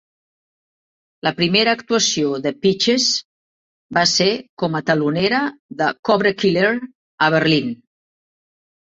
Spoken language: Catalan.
La primera actuació de Peaches va ser com a telonera de Cobra Killer a Berlín.